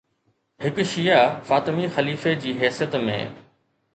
هڪ شيعه فاطمي خليفي جي حيثيت ۾